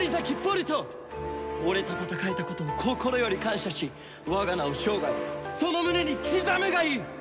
俺と戦えたことを心より感謝し我が名を生涯その胸に刻むがいい！